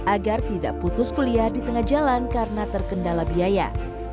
agar tidak putus kuliah di tengah jalan karena terkendala biaya